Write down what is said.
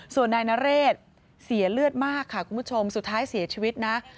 ส่วนนายนเรศเสียเลือดมากค่ะคุณผู้ชมสุดท้ายเสียชีวิตนะ